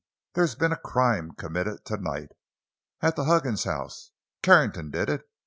There's been a crime committed tonight! At the Huggins house! Carrington did it!